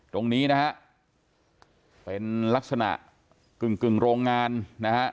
ตรงนี้นะฮะเป็นลักษณะกึ่งโรงงานนะฮะ